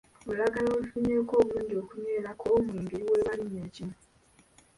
Olulagala olufunyeko obulungi okunywerako omwenge luweebwa linnya ki?